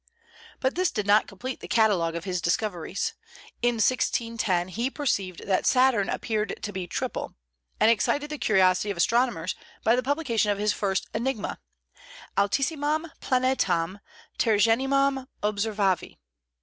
But this did not complete the catalogue of his discoveries. In 1610 he perceived that Saturn appeared to be triple, and excited the curiosity of astronomers by the publication of his first "Enigma," Altissimam planetam tergeminam observavi.